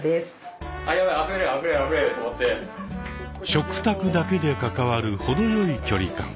食卓だけで関わる程よい距離感。